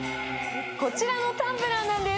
こちらのタンブラーなんです。